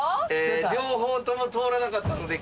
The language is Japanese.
両方とも通らなかったので。